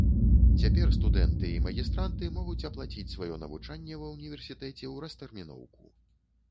Цяпер студэнты і магістранты могуць аплаціць сваё навучанне ва ўніверсітэце ў растэрміноўку.